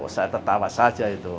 saya tertawa saja itu